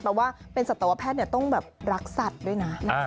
แปลว่าเป็นสัตวแพทย์ต้องแบบรักสัตว์ด้วยนะ